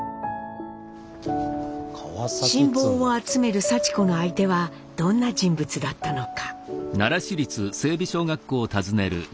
信望を集めるさち子の相手はどんな人物だったのか。